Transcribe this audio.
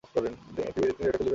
কিন্তু এটা ফিলিপের সম্পর্কে।